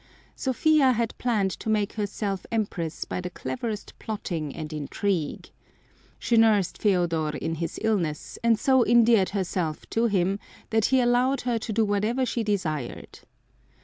Sophia had planned to make herself Empress by the cleverest plotting and intrigue. She nursed Feodor in his illnesses and so endeared herself to him that he allowed her to do whatever she desired.